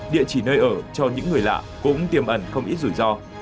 địa chỉ nơi ở cho những người lạ cũng tiềm ẩn không ít rủi ro